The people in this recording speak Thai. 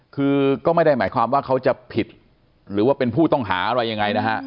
คือก็ไม่ได้หมายความว่าเขาจะผิดหรือว่าเป็นผู้ต้องหาอะไรยังไงนะฮะ